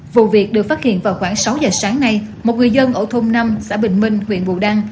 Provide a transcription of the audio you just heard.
vụ việc được phát hiện vào khoảng sáu giờ sáng nay một người dân ở thôn năm xã bình minh huyện bù đăng